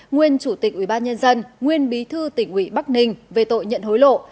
nguyên chủ tịch ubnd nguyên bí thư tỉnh ủy bắc ninh về tội nhận hối lộ